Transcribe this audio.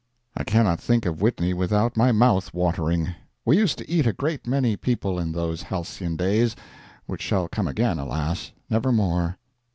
I cannot think of Whitney without my mouth watering. We used to eat a great many people in those halcyon days, which shall come again, alas! nevermore.